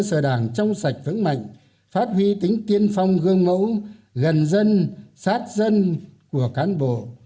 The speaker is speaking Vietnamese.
cơ sở đảng trong sạch vững mạnh phát huy tính tiên phong gương mẫu gần dân sát dân của cán bộ